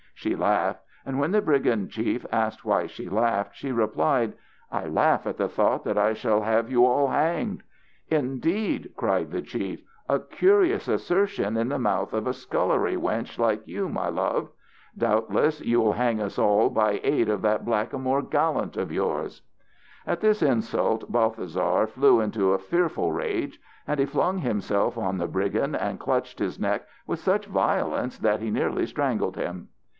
She laughed. And when the brigand chief asked why she laughed, she replied: "I laugh at the thought that I shall have you all hanged." "Indeed!" cried the chief, "a curious assertion in the mouth of a scullery wench like you, my love! Doubtless you will hang us all by aid of that blackamoor gallant of yours?" At this insult Balthasar flew into a fearful rage, and he flung himself on the brigand and clutched his neck with such violence that he nearly strangled him.